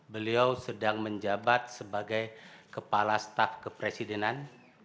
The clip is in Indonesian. beliau sedang menjabat sebagai kepala staf kepresidenan